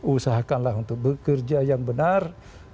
usahakanlah untuk bekerja yang benar